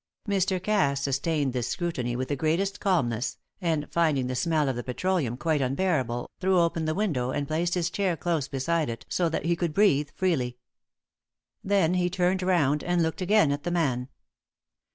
Mr. Cass sustained this scrutiny with the greatest calmness, and, finding the smell of the petroleum quite unbearable, threw open the window and placed his chair close beside it so that he could breathe freely. Then he turned round and looked again at the man.